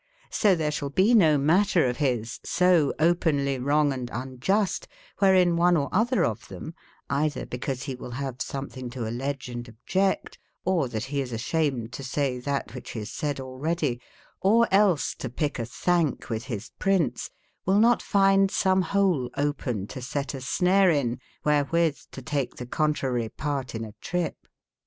Sotberesbalbenomatter of bis so openlye wronge and unjuste, wberein one or otber of tbem, eitber be cause be wy I bave sumtbinge to allege & obj ecte, or tbat be is asbam ed to say e tbat wbicbe is sayde alreadye, or els to pike a tbanke witb bis prince, will not fynde some bole open to set a snare in, vpbere witbtotaketbecontrarieparteinatrippe.